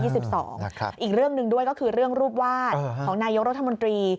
อีกเรื่องหนึ่งด้วยก็คือเรื่องรูปวาดของนายกรัฐมนตรี